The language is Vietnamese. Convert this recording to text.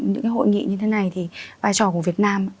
những cái hội nghị như thế này thì vai trò của việt nam